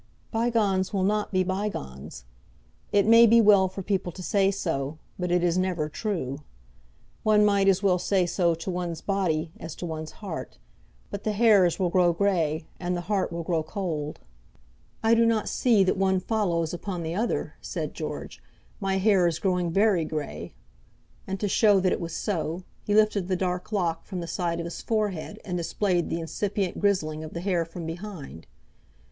"Bygones will not be bygones. It may be well for people to say so, but it is never true. One might as well say so to one's body as to one's heart. But the hairs will grow grey, and the heart will grow cold." "I do not see that one follows upon the other," said George. "My hair is growing very grey;" and to show that it was so, he lifted the dark lock from the side of his forehead, and displayed the incipient grizzling of the hair from behind.